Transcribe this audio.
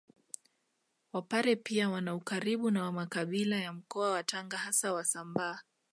Wapare pia wana ukaribu na makabila ya mkoa wa Tanga hasa Wasambaa